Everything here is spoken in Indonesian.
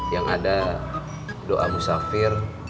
yang ada doa musafir